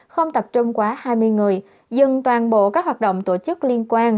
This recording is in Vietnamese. không tập trung quá hai mươi người dừng toàn bộ các hoạt động tổ chức liên quan